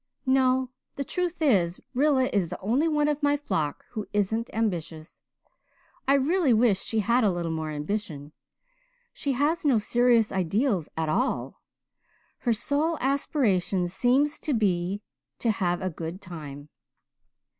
"No. The truth is, Rilla is the only one of my flock who isn't ambitious. I really wish she had a little more ambition. She has no serious ideals at all her sole aspiration seems to be to have a good time."